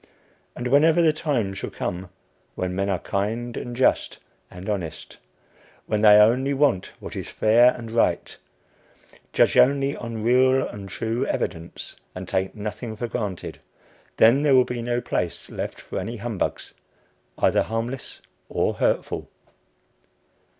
And whenever the time shall come when men are kind and just and honest; when they only want what is fair and right, judge only on real and true evidence, and take nothing for granted, then there will be no place left for any humbugs, either harmless or hurtful.